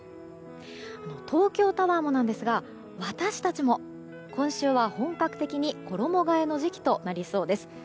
東京タワーもなんですが私たちも、今週は本格的に衣替えの時期となりそうです。